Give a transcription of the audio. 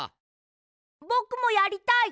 ぼくもやりたい。